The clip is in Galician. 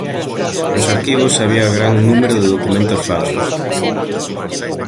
Nos arquivos había gran número de documentos falsos.